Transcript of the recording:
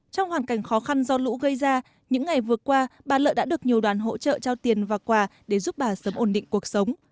trong hoàn cảnh khó khăn do lũ gây ra những ngày vừa qua bà lợi đã được nhiều đoàn hỗ trợ trao tiền và quà để giúp bà sớm ổn định cuộc sống